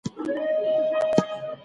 هغه کتاب چي تا غوښتی وو پیدا سو.